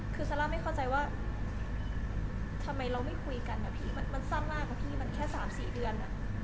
คือซาร่าไม่เข้าใจว่าทำไมเราไม่คุยกันนะพี่มันสั้นมากอะพี่มันแค่๓๔เดือน